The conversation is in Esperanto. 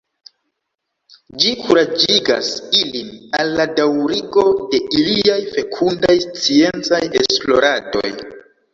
Ĝi kuraĝigas ilin al la daŭrigo de iliaj fekundaj sciencaj esploradoj.